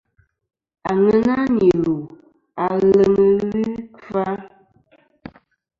Àŋena nì lù aleŋ ɨlvɨ ikfa.